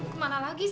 kamu kemana lagi